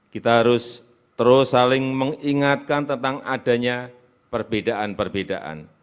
kita harus terus saling mengingatkan tentang adanya perbedaan perbedaan